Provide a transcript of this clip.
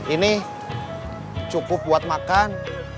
ini cukup buat makan